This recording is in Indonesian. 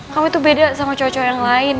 kamu tuh beda sama cowok cowok yang lain